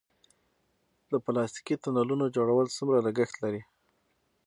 د پلاستیکي تونلونو جوړول څومره لګښت لري؟